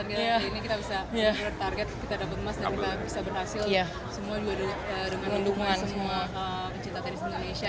ini kita bisa merebut target kita dapat emas dan kita bisa berhasil semua juga dengan menunggu semua pencipta teris indonesia